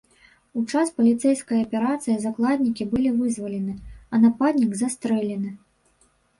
У час паліцэйскай аперацыі закладнікі былі вызвалены, а нападнік застрэлены.